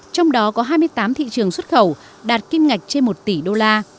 trong đó có hai mươi tám thị trường xuất khẩu đạt kim ngạch trên một tỷ đô la